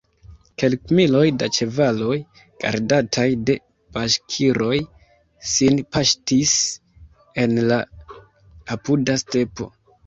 Kelkmiloj da ĉevaloj, gardataj de baŝkiroj, sin paŝtis en la apuda stepo.